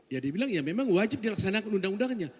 ya dia bilang ya memang wajib dilaksanakan undang undangnya